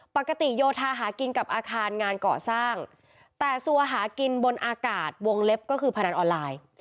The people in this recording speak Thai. โยธาหากินกับอาคารงานก่อสร้างแต่ซัวหากินบนอากาศวงเล็บก็คือพนันออนไลน์